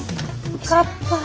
よかったぁ。